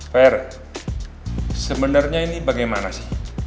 fair sebenarnya ini bagaimana sih